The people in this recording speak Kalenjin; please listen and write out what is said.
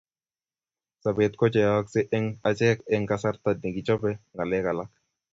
Sobet ko cheyoyoskei eng achek eng kasarta nekichobe ngalek alak